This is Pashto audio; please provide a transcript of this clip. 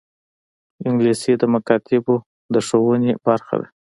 انګلیسي د مکاتبو د ښوونې برخه ده